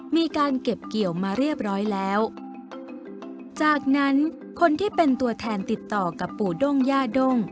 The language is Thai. มีการเก็บเกี่ยวมาเรียบร้อยแล้วจากนั้นคนที่เป็นตัวแทนติดต่อกับปู่ด้งย่าด้ง